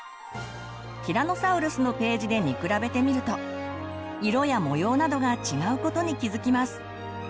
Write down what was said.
ティラノサウルのページで見比べてみると色や模様などが違うことに気付きます。